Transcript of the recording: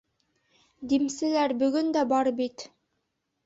Димселәр бөгөн дә бар бит!